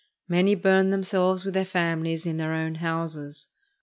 Many burned themselves with their famihes in their own houses.